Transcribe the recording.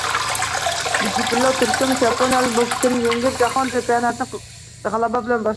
Mujibillo Tursunov yaponiyalik bokschini yengib, Jahon chempionatini g‘alaba bilan boshladi